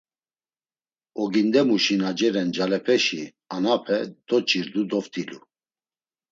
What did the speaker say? Ogindemuşi na ceren ncalepeşi anape, doç̌irdu doft̆ilu.